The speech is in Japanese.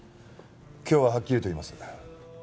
今日ははっきりと言います。